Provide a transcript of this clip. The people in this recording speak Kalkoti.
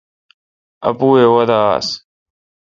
اّپوُاے°وادہ آس۔